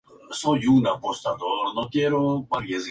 Preside el retablo un grupo escultórico representando la Última Cena.